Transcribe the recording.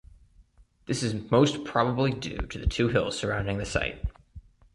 This is most probably due to the two hills surrounding the site.